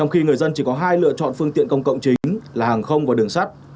khi người dân chỉ có hai lựa chọn phương tiện công cộng chính là hàng không và đường sắt